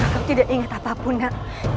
aku tidak ingat apapun kak